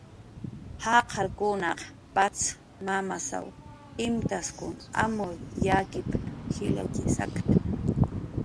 jaqarkunaq patz mamasw imtaskun amur yakipna jilatxi saktna